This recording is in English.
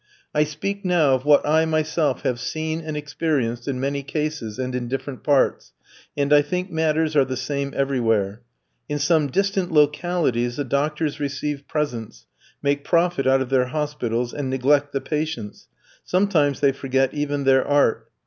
I speak now of what I myself have seen and experienced in many cases and in different parts, and I think matters are the same everywhere. In some distant localities the doctors receive presents, make profit out of their hospitals, and neglect the patients; sometimes they forget even their art.